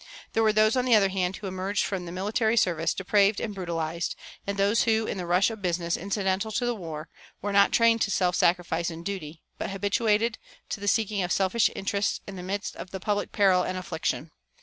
There were those, on the other hand, who emerged from the military service depraved and brutalized; and those who, in the rush of business incidental to the war, were not trained to self sacrifice and duty, but habituated to the seeking of selfish interests in the midst of the public peril and affliction.